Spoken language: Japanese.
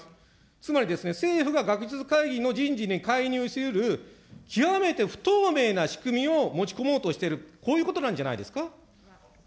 つまり、政府が学術会議の人事に介入しうる極めて不透明な仕組みを持ち込もうとしている、こういうことなんじゃないですか。